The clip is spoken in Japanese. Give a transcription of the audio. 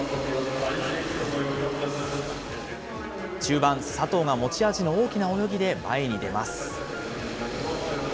中盤、佐藤が持ち味の大きな泳ぎで前に出ます。